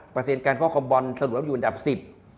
เปอร์เซ็นต์การพ่อคอมบอลสรุปรับอยู่ในดับ๑๐